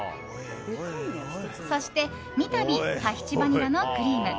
そして、三度タヒチバニラのクリーム。